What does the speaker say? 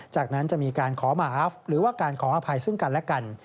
จากนั้นจะมีการขอมาอัฟหรือว่าการขออภัยซึ่งกันและกัน